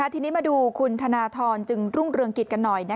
ทีนี้มาดูคุณธนทรจึงรุ่งเรืองกิจกันหน่อย